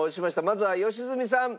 まずは良純さん。